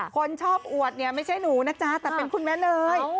คนชอบอวดเนี่ยไม่ใช่หนูนะจ๊ะแต่เป็นคุณแม่เลย